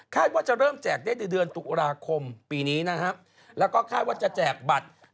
ค่ายว่าจะเริ่มแจกได้ในเดือนตุลาคมปีนี้นะครับ